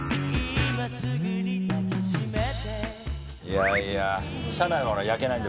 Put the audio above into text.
いやいや。